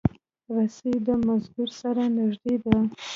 رسۍ د مزدور سره نږدې ده.